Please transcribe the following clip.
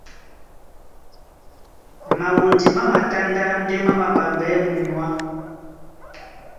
Mawondi má matándá ndé má māɓambɛɛ́ munyuá.